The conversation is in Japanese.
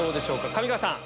上川さん。